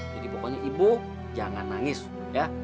jadi pokoknya ibu jangan nangis ya